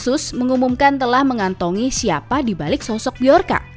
sus mengumumkan telah mengantongi siapa dibalik sosok bjorka